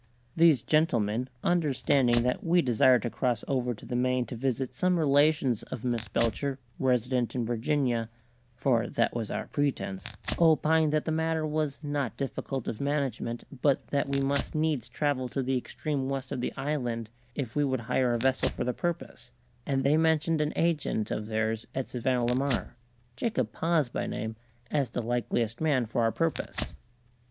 These gentlemen, understanding that we desired to cross over to the Main to visit some relations of Miss Belcher resident in Virginia (for that was our pretence), opined that the matter was not difficult of management, but that we must needs travel to the extreme west of the island if we would hire a vessel for the purpose, and they mentioned an agent of theirs at Savannah la Mar Jacob Paz by name as the likeliest man for our purpose.